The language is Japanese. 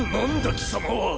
貴様は！